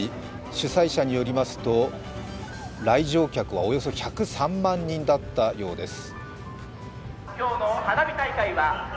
主催者によりますと来場客はおよそ１０３万人だったようです。